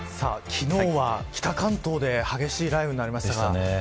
昨日は北関東で激しい雷雨になりました。